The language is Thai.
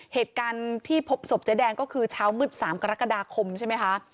เหตุการณ์ที่พบศพเจ๊แดงก็คือเช้ามืด๓กรกฎาคมใช่ไหมคะ